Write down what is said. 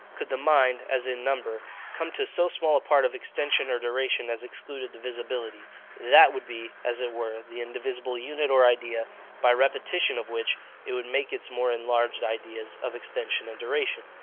Could the mind, as in number, come to so small a part of extension or duration as excluded divisibility, THAT would be, as it were, the indivisible unit or idea; by repetition of which, it would make its more enlarged ideas of extension and duration.